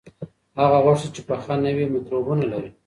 هغه غوښه چې پخه نه وي، مکروبونه لري.